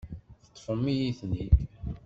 Teṭṭfemt-iyi-ten-id.